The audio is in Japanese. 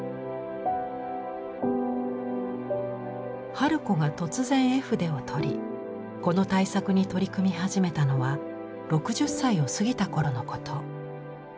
春子が突然絵筆をとりこの大作に取り組み始めたのは６０歳を過ぎた頃のこと。